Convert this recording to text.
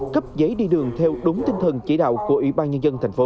cấp giấy đi đường theo đúng tinh thần chỉ đạo của ủy ban nhân dân thành phố